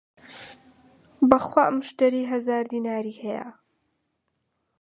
بە خوا موشتەری هەزار دیناری هەیە!